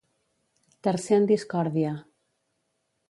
Tercer en discòrdia.